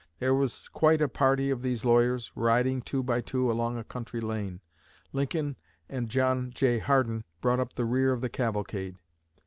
There was quite a party of these lawyers, riding two by two along a country lane. Lincoln and John J. Hardin brought up the rear of the cavalcade.